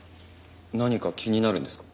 何か気になるんですか？